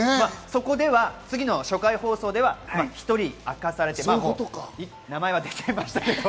そこでは次の初回放送では１人明かされて、名前は出ちゃいましたけど。